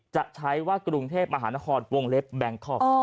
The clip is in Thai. จะใช้ว่ากรุงเทพมหานครวงเล็บแบงคอก